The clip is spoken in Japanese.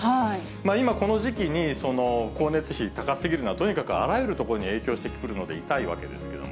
今、この時期に光熱費、高すぎるのは、とにかくあらゆるところに影響してくるので痛いわけですけども。